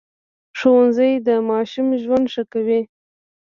ښوونځی د ماشوم ژوند ښه کوي